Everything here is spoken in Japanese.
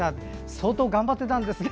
相当、頑張ってたんですね。